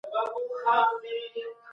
استازي تل د ملي ګټو په فکر کي دي.